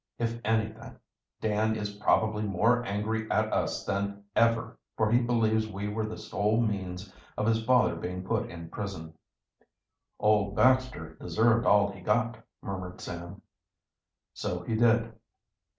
If anything, Dan is probably more angry at us than ever, for he believes we were the sole means of his father being put in prison." "Old Baxter deserved all he got," murmured Sam. "So he did."